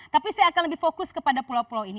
tapi saya akan lebih fokus kepada pulau pulau ini